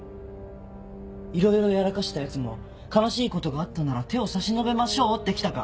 いろいろやらかしたヤツも悲しいことがあったなら手を差し伸べましょうって来たか？